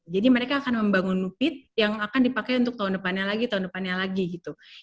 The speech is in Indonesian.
jadi mereka akan membangun pit yang akan dipakai untuk tahun depannya lagi tahun depannya lagi gitu